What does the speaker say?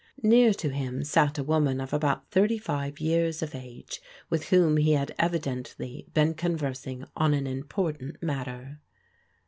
Near to him sat a woman of about thirty five years of age with whom he had evidently been conversing on an important matter.